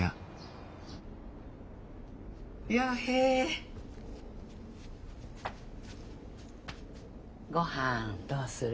陽平ごはんどうする？